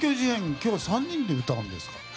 今日３人で歌うんですか。